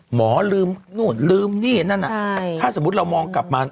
หมอลืมนู่นลืมนี่นั่นอ่ะใช่ถ้าสมมุติเรามองกลับมา